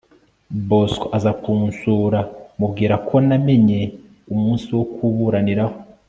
bosco aza kunsura mubwira ko namenye umunsi wo kuburaniraho